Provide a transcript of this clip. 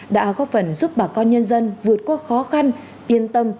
đã có phần giúp bà con nhân dân vượt qua khó khăn yên tâm